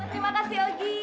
terima kasih ogi